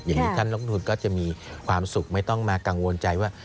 อย่างนี้ท่านลงทุนก็จะมีความสุขไม่ต้องมากังวลใจว่า